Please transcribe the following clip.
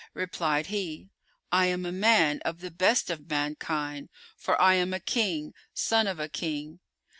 Replied he, "I am a man of the best of mankind;[FN#417] for I am a King, son of a King."